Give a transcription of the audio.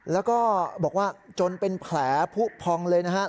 แล้วก็บอกว่าจนเป็นแผลผู้พองเลยนะครับ